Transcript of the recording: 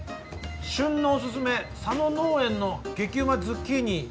旬のおすすめ佐野農園の激うまズッキーニ。